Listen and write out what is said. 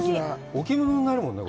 置物になるもんね。